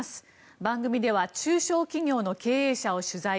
番組では中小企業の経営者を取材。